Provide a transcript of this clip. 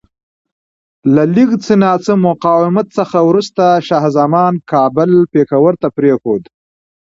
له لږ څه ناڅه مقاومت څخه وروسته شاه زمان کابل پېښور ته پرېښود.